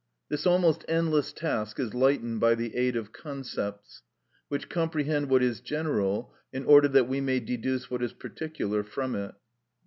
This almost endless task is lightened by the aid of concepts, which comprehend what is general in order that we may deduce what is particular from it.